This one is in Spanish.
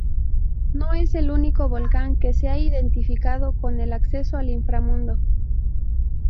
No es el único volcán que se ha identificado con el acceso al inframundo.